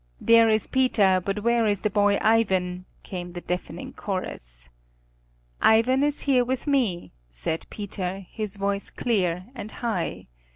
"There is Peter, but where is the boy Ivan?" came the deafening chorus. "Ivan is here with me," said Peter, his voice clear and high.